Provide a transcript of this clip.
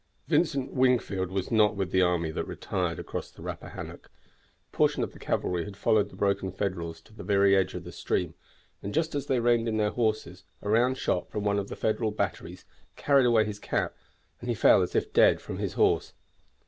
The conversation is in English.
Vincent Wingfield was not with the army that retired across the Rappahannock. A portion of the cavalry had followed the broken Federals to the very edge of the stream, and just as they reined in their horses a round shot from one of the Federal batteries carried away his cap, and he fell as if dead from his horse.